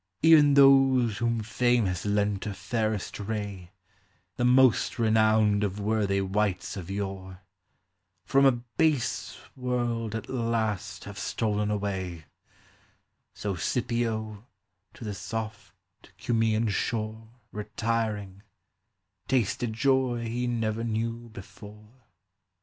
E'en those whom fame has lent her fairest ray, The most renowned of worthy wights of yore, From a base world at last have stolen away : So Seipio, to the soft Cumsean shore Retiring, tasted joy he never knew before.